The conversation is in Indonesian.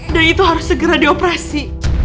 dan itu harus segera dioperasi